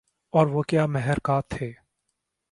اور وہ کیا محرکات تھے